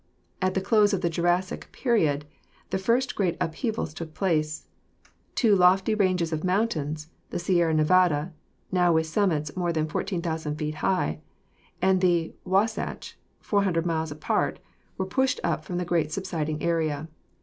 At the close of the Jurassic Period the first great upheavals took place. Two lofty ranges of mountains — the Sierra Nevada (now with summits more than 14,000 feet high) and the Wahsatch — 400 miles apart, were pushed up from the great subsiding area.